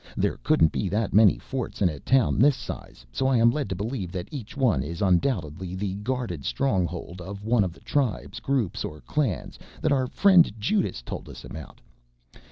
There couldn't be that many forts in a town this size so I am led to believe that each one is undoubtedly the guarded stronghold of one of the tribes, groups or clans that our friend Judas told us about.